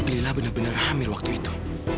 lila benar benar hamil waktu itu